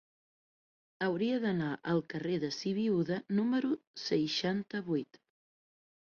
Hauria d'anar al carrer de Sibiuda número seixanta-vuit.